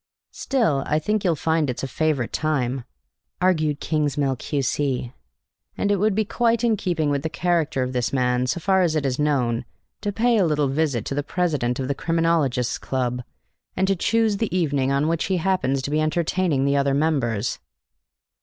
"Still, I think you'll find it's a favorite time," argued Kingsmill, Q.C. "And it would be quite in keeping with the character of this man, so far as it is known, to pay a little visit to the president of the Criminologists' Club, and to choose the evening on which he happens to be entertaining the other members."